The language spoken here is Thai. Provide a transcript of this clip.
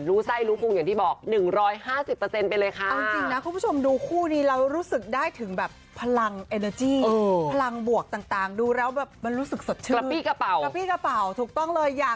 เราจะไม่ก้าวกายเพื่อนที่ส่วนตัวของกันและกัน